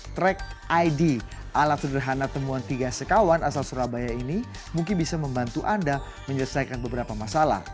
track id alat sederhana temuan tiga sekawan asal surabaya ini mungkin bisa membantu anda menyelesaikan beberapa masalah